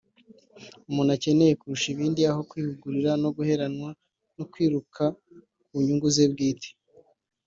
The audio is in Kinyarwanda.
umuntu akeneye kurusha ibindi aho kwihugiraho no guheranwa no kwiruka ku nyungu ze bwite